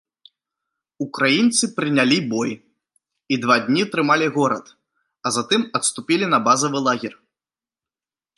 Украінцы прынялі бой і два дні трымалі горад, а затым адступілі на базавы лагер.